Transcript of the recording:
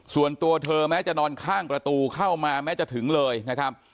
ส่วนตัวเธอแม้จะนอนข้างประตูเข้ามาแม้จะถึงเลยนะครับ